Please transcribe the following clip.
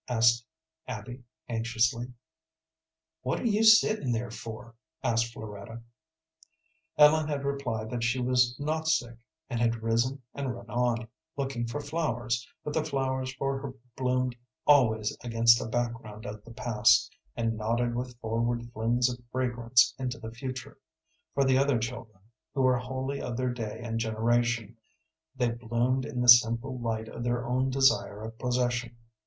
asked Abby, anxiously. "What are you sitting there for?" asked Floretta. Ellen had replied that she was not sick, and had risen and run on, looking for flowers, but the flowers for her bloomed always against a background of the past, and nodded with forward flings of fragrance into the future; for the other children, who were wholly of their own day and generation, they bloomed in the simple light of their own desire of possession.